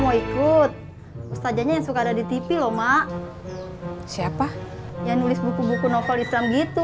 mau ikut mustajanya yang suka ada di tv loh mak siapa yang nulis buku buku novel islam gitu